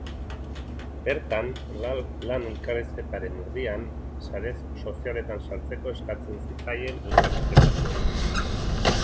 Bertan, lan elkarrizketaren erdian, sare sozialetan sartzeko eskatzen zitzaien elkarrizketatuei.